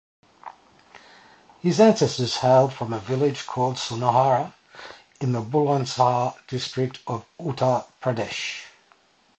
His ancestors hailed from a village called Sunahara in Bulandshahar district in Uttar Pradesh.